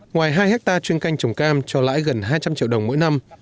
ngoài hai hectare chuyên canh trồng cam cho lãi gần hai trăm linh triệu đồng mỗi năm